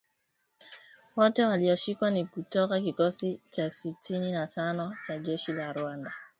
Wote walioshikwa ni kutoka kikosi cha Sitini na tano cha jeshi la Rwanda